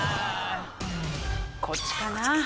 こっちかな？